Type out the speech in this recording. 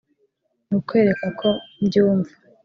nukwereka ko mbyumva